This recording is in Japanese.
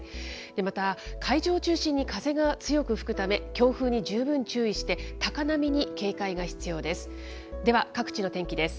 また海上を中心に風が強く吹くため、強風に十分注意して高波に警戒が必要です。